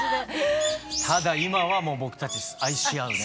ただ今はもう僕たち愛し合う仲。